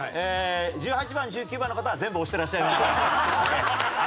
１８番１９番の方は全部押してらっしゃいます。